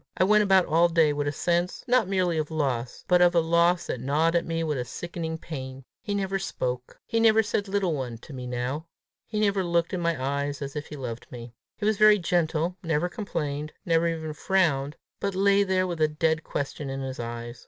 I went about all day with a sense not merely of loss, but of a loss that gnawed at me with a sickening pain. He never spoke. He never said little one to me now! he never looked in my eyes as if he loved me! He was very gentle, never complained, never even frowned, but lay there with a dead question in his eyes.